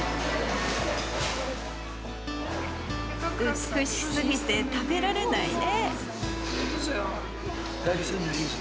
美しすぎて食べられないね。